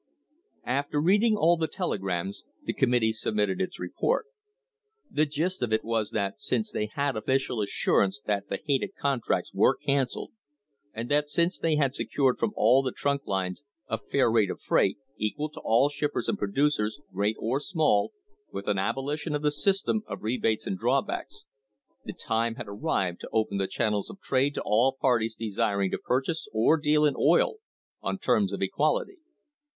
After reading all the telegrams the committee submitted its report. The gist of it was that since they had official assurance that the hated contracts were cancelled, and that since they had secured from all the trunk lines a "fair rate of freight, equal to all shippers and producers, great or small, with an abolition of the system of rebates and drawbacks," the time had arrived "to open the channels of trade to all parties desir ing to purchase or deal in oil on terms of equality."